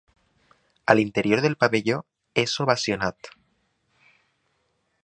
A l’interior del pavelló és ovacionat.